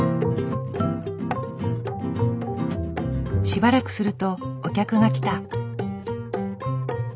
しばらくするとお客が来た。